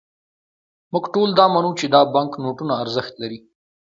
موږ ټول دا منو، چې دا بانکنوټونه ارزښت لري.